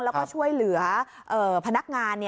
แล้วก็ช่วยเหลือพนักงาน